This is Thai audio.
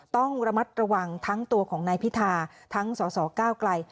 ต้องระมัดระวังทั้งตัวของนายพิธาทั้งสสก้าวไกล